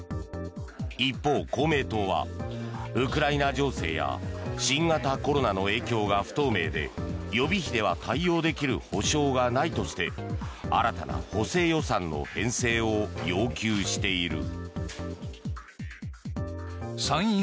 一方、公明党はウクライナ情勢や新型コロナの影響が不透明で予備費では対応できる保証がないとして新たな補正予算の編成を要求している。